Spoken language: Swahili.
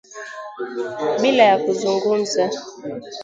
Bila ya kuzungumza